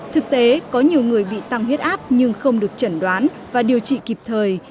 thực tế có nhiều người bị tăng huyết áp nhưng không được chẩn đoán và điều trị kịp thời